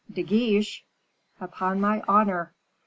"De Guiche!" "Upon my honor!"